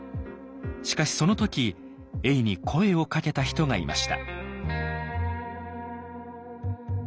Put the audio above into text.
しかしその時永に声をかけた人がいました。